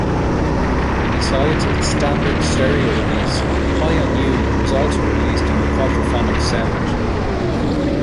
Besides its standard stereo release, "High on You" was also released in quadraphonic sound.